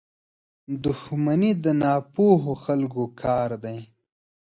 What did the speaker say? • دښمني د ناپوهو خلکو کار دی.